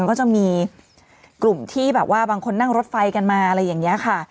ก็จะมีกลุ่มที่แบบว่าบางคนนั่งรถไฟกันมาอะไรอย่างนี้ค่ะ